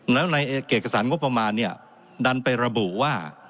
แล้วในเอกสารงบประมาณเนี่ยดันไประบุว่า